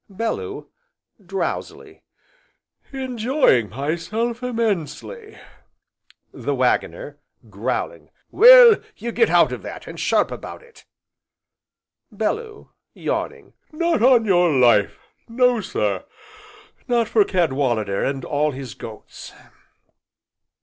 BELLEW. (Drowsily) Enjoying myself immensely. THE WAGGONER. (Growling) Well, you get out o' that, and sharp about it. BELLEW. (Yawning) Not on your life! No sir, 'not for Cadwallader and all his goats!'